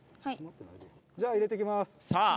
じゃあ入れて行きます。